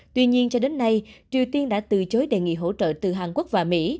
tuy nhiên cho đến nay triều tiên đã từ chối đề nghị hỗ trợ từ hàn quốc và mỹ